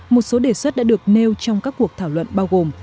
một số đề xuất đã được nêu trong các cuộc thảo luận bao gồm